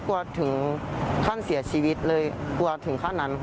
ถึงขั้นเสียชีวิตเลยกลัวถึงขั้นนั้น